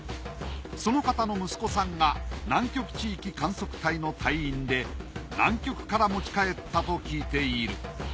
その方の息子さんが南極地域観測隊の隊員で南極から持ち帰ったと聞いている。